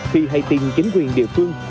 khi hãy tìm chính quyền địa phương